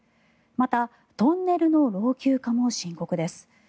また、トンネルの老朽化も深刻です。